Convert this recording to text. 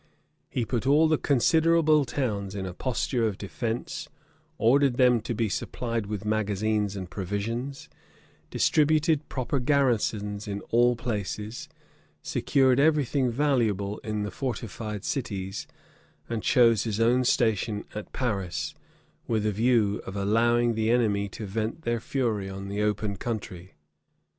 He put all the considerable towns in a posture of defence; ordered them to be supplied with magazines and provisions; distributed proper garrisons in all places; secured every thing valuable in the fortified cities; and chose his own station at Paris, with a view of allowing the enemy to vent their fury on the open country.